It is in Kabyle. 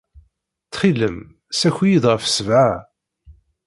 Ttxil-m, ssaki-iyi-d ɣef ssebɛa.